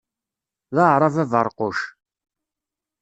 D aɛrab aberquc.